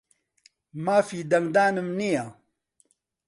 مافی دەنگدانم نییە.